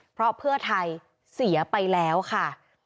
เพราะเพื่อไทยเสียไปแล้วค่ะ